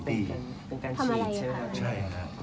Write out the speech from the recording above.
เป็นการชีวิตใช่ไหม